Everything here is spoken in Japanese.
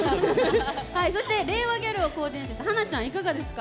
そして令和ギャルをコーディネートした華ちゃんいかがですか？